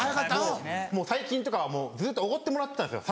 もう最近とかはずっとおごってもらってたんですよ。